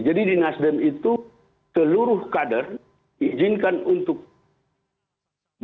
jadi di nasdem itu seluruh kader diizinkan untuk berkomunikasi